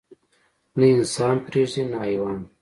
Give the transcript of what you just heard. نه انسان پرېږدي نه حيوان.